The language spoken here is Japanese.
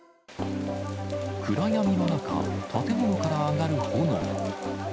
暗闇の中、建物から上がる炎。